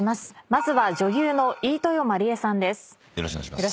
まずは女優の飯豊まりえさんです。